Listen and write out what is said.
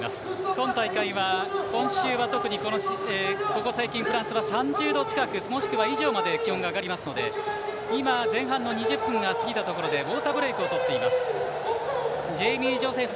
今大会は、今週は特に、ここ最近フランスは３０度近くもしくは３０度以上まで気温が上がりますので今、前半の２０分が過ぎたところでウォーターブレイクを取っています。